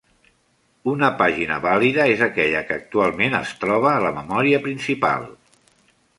Una pàgina vàlida és aquella que actualment es troba a la memòria principal.